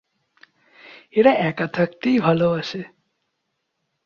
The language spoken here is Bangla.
এরা একা থাকতেই ভালবাসে।